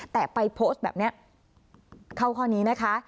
แต่ไปโพสต์แบบนี้เข้าข้อนี้นะคะ